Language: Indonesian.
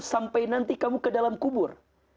sampai nanti kamu ke dalam kubur